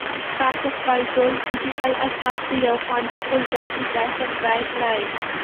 تاسو خپل ټول ډیجیټل اسناد په یو خوندي فولډر کې ځای پر ځای کړئ.